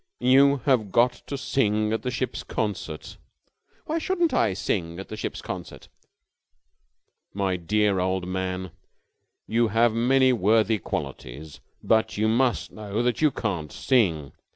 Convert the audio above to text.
"You have got to sing at the ship's concert." "Why shouldn't I sing at the ship's concert?" "My dear old man, you have many worthy qualities, but you must know that you can't sing.